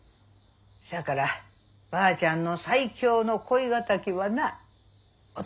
そやからばあちゃんの最強の恋敵はな男の人やったんや。